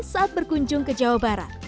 saat berkunjung ke jawa barat